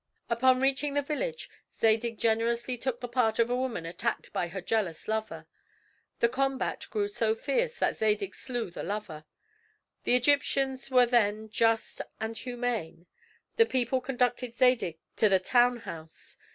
Upon reaching the village Zadig generously took the part of a woman attacked by her jealous lover. The combat grew so fierce that Zadig slew the lover. The Egyptians were then just and humane. The people conducted Zadig to the town house.